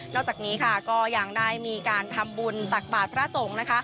จากนี้ค่ะก็ยังได้มีการทำบุญตักบาทพระสงฆ์